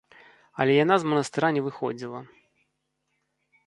Але яна з манастыра не выходзіла.